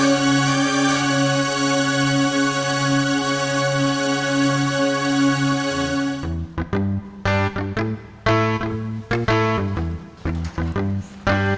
di rumah papam ayam minyak